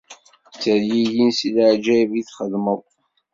Ttergigin si leɛǧayeb i txedmeḍ.